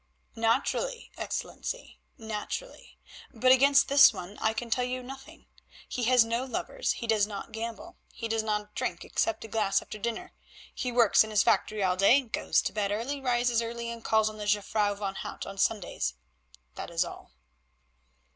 "Naturally, Excellency, naturally, but against this one I can tell you nothing. He has no lovers, he does not gamble, he does not drink except a glass after dinner. He works in his factory all day, goes to bed early, rises early, and calls on the Jufvrouw van Hout on Sundays; that is all."